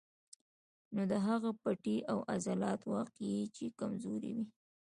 نو د هغو پټې او عضلات واقعي چې کمزوري وي